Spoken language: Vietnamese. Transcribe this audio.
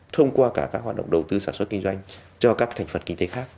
thông qua cả các hoạt động đầu tư sản xuất kinh doanh cho các thành phần kinh tế khác